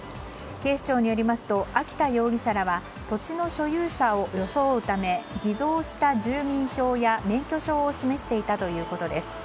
警視庁によりますと秋田容疑者らは土地の所有者を装うため偽造した住民票や免許証を示していたということです。